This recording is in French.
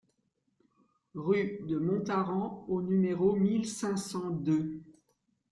Rue de Montaran au numéro mille cinq cent deux